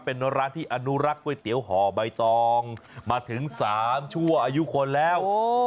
เป็นร้านที่อนุรักษ์ก๋วยเตี๋ยวห่อใบตองมาถึง๓ชั่วอายุคนแล้ว